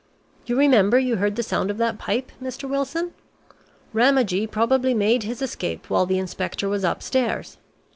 You remember, you heard the sound of that pipe, Mr. Wilson? Ramagee probably made his escape while the Inspector was upstairs.